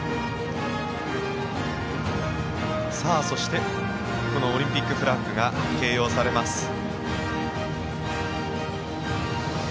そしてこのオリンピックフラッグが掲揚されます。